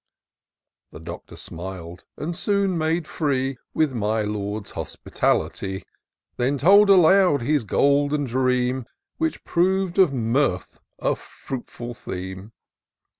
The Doctor smU'd, and soon made free With my Lord's hospitality ; Then told aloud his golden dream, Which prov'd of mirth a fruitful theme.